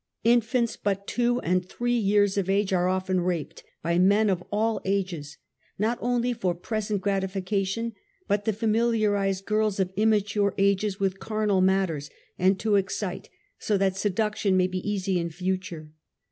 Infants but two and three years of age are often raped, by men of all ages, not only for present grati fication, but to familiarize girls of immature ages ; with carnal matters, and to excite, so that seduction may be easy in future.